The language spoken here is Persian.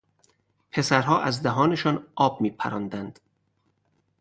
پسرها از دهانشان آب میپراندند.